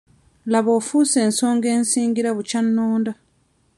Laba ofuuse ensonga ensingira bukya nnonda.